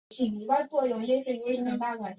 福佳白啤酒而闻名。